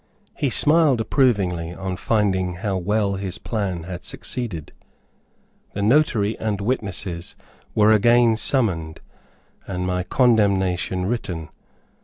He smiled approvingly on finding how well his plan had succeeded. The notary and witnesses were again summoned, and my condemnation written.